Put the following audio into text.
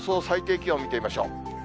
最低気温見てみましょう。